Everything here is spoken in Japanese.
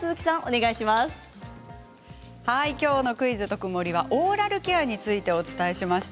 きょうの「クイズとくもり」はオーラルケアについてお伝えしました。